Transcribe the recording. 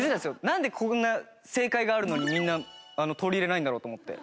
なんでこんな正解があるのにみんな取り入れないんだろうと思って。